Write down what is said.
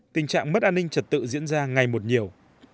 tình trạng mất an ninh trật tự diễn ra ngày một nhiều